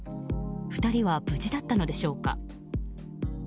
２人は無事だったのでしょうか。